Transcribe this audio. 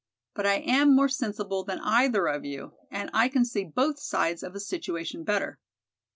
But I am more sensible than either of you and I can see both sides of a situation better.